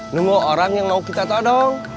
nunggu orang yang mau kita todong